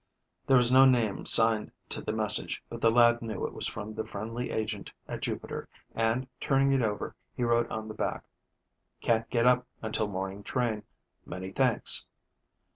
There was no name signed to the message, but the lad knew it was from the friendly agent at Jupiter, and, turning it over, he wrote on the back. "Can't get up until morning train. Many thanks."